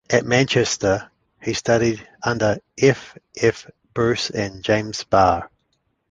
At Manchester he studied under F. F. Bruce and James Barr.